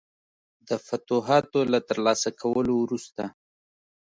د فتوحاتو له ترلاسه کولو وروسته.